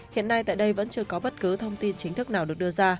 hiện nay tại đây vẫn chưa có bất cứ thông tin chính thức nào được đưa ra